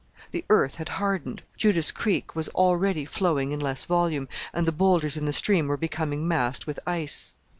The earth had hardened; Judas Creek was already flowing in less volume, and the boulders in the stream were becoming massed with ice.